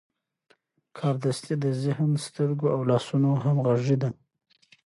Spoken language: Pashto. کاردستي د ذهن، سترګو او لاسونو همغږي ده.